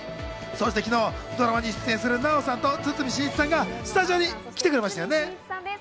そして昨日、ドラマに出演する奈緒さんと堤真一さんがスタジオに来てくれましたよね。